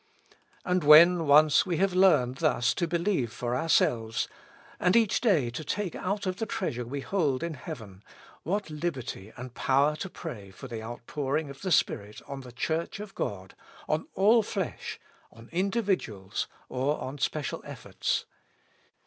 And when once we have learned thus to believe for ourselves, and each day to take out of the treasure we hold in heaven, what liberty and power to pray for the outpouring of the Spirit on the Church of God, on all flesh, on individuals, or on special efforts